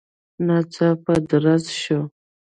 ناڅاپه درز شو.